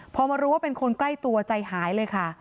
พอมารู้ว่าเป็นคนใกล้ตัวใจหายเลยค่ะ